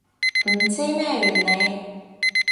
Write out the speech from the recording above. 唔知咩原理